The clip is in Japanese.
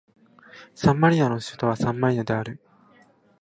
サンマリノの首都はサンマリノである